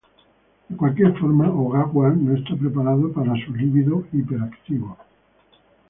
De cualquier forma Ogawa no está preparado para su libido hiperactivo.